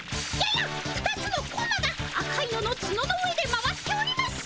やっ２つのコマが赤いののツノの上で回っております。